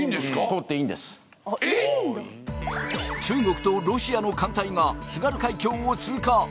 中国とロシアの艦隊が津軽海峡を通過。